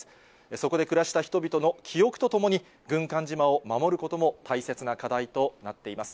そこで暮らした人々の記憶とともに、軍艦島を守ることも大切な課題となっています。